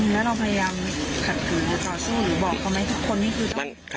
แล้วเราพยายามขัดขืนต่อคุณที่หมดหมายนะครับ